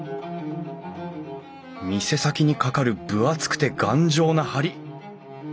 店先にかかる分厚くて頑丈な梁。